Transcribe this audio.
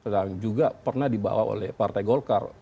dan juga pernah dibawa oleh partai golkar